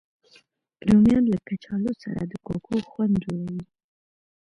رومیان له کچالو سره د کوکو خوند جوړوي